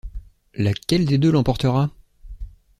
Laquelle des deux l’emportera?